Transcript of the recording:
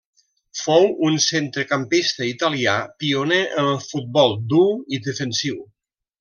Fou un centrecampista italià pioner en el futbol dur i defensiu.